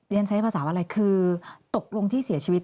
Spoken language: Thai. ใช้ภาษาอะไรคือตกลงที่เสียชีวิต